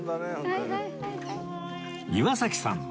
岩崎さんも